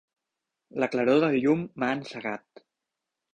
La claror del llum m'ha encegat.